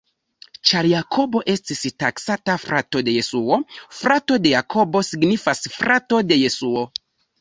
Ĉar Jakobo estis taksata frato de Jesuo, frato de Jakobo signifas frato de Jesuo.